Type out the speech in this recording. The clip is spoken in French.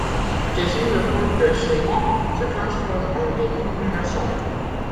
Chez Giles, le corps de Jenny se transforme en démon menaçant.